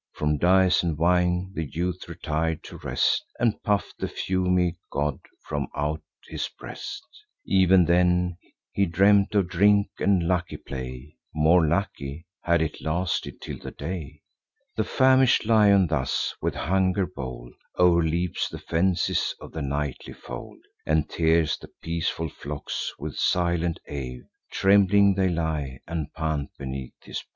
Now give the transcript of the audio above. From dice and wine the youth retir'd to rest, And puff'd the fumy god from out his breast: Ev'n then he dreamt of drink and lucky play— More lucky, had it lasted till the day. The famish'd lion thus, with hunger bold, O'erleaps the fences of the nightly fold, And tears the peaceful flocks: with silent awe Trembling they lie, and pant beneath his paw.